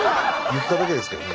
言っただけですけどね